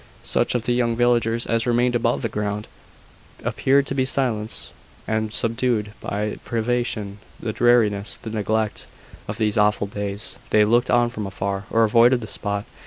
Such of the young villagers as remained above ground appeared to be silenced and subdued by the privation, the dreariness, the neglect, of these awful days: they looked on from afar, or avoided the spot.